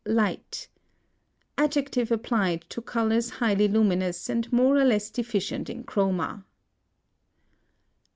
LIGHT. Adjective applied to colors highly luminous and more or less deficient in CHROMA.